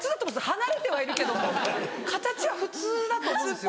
離れてはいるけども形は普通だと思うんですよ。